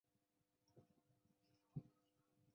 孔祥柯有二子二女